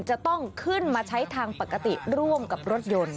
จะต้องขึ้นมาใช้ทางปกติร่วมกับรถยนต์